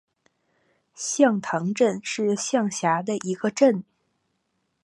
向塘镇是下辖的一个镇。